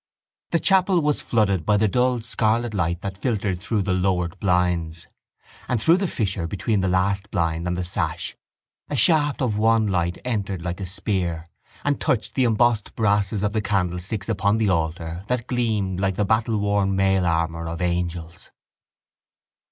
The chapel was flooded by the dull scarlet light that filtered through the lowered blinds; and through the fissure between the last blind and the sash a shaft of wan light entered like a spear and touched the embossed brasses of the candlesticks upon the altar that gleamed like the battle worn mail armour of angels.